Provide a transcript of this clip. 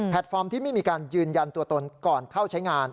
ฟอร์มที่ไม่มีการยืนยันตัวตนก่อนเข้าใช้งาน